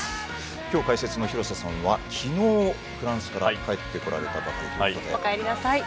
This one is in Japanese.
今日解説の廣瀬さんは昨日、フランスから帰ってこられたということで。